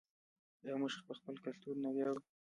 آیا موږ په خپل کلتور نه ویاړو؟